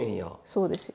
そうですよ。